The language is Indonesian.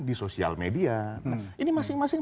di sosial media nah ini masing masing